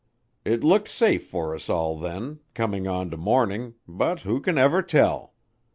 It looked safe for us all then, coming on to morning, but who can ever tell?